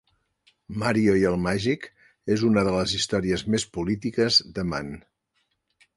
"Mario i el màgic" és una de les històries més polítiques de Mann.